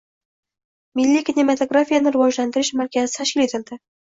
Milliy kinematografiyani rivojlantirish markazi tashkil etilding